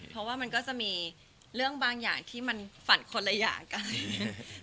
เพราะว่ามันก็จะมีเรื่องบางอย่างที่มันฝันคนละอย่างกัน